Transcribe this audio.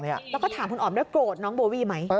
แล้วก็ถามคุณอ๋อมด้วยโกรธน้องโบวี่ไหม